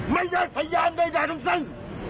ไม่ได้พยายามใดทั้งสิ้น